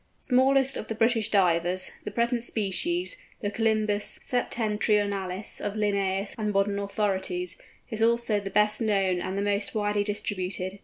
Smallest of the British Divers, the present species, the Colymbus septentrionalis of Linnæus and modern authorities, is also the best known and the most widely distributed.